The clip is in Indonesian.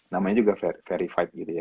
namanya juga verified gitu ya